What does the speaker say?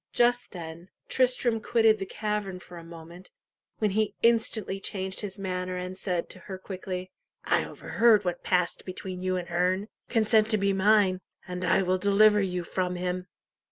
Just then, Tristram quitted the cavern for a moment, when he instantly changed his manner, and 'said to her quickly, "I overheard what passed between you and Herne. Consent to be mine, and I will deliver you from him."